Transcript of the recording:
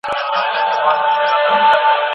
د طبیعي علومو د څېړني ساحه خورا پراخه ده.